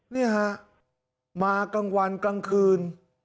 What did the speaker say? นี่ฮะมากลางวันกลางคืน